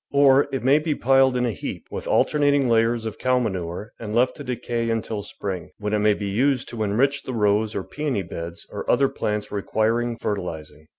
Or it may be piled in a heap, with alter nating layers of cow manure, and left to decay until spring, when it may be used to enrich the rose or peony beds or other plants requiring fer tilising.